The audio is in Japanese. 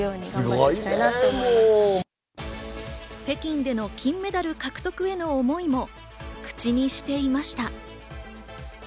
北京での金メダル獲得への思いも口にしていました。